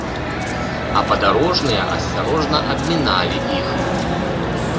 А падарожныя асцярожна абміналі іх.